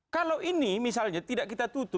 kalau ini misalnya tidak kita tutup tidak kita tutup